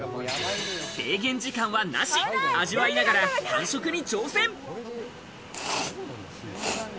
制限時間はなし、味わいながら完食に挑戦。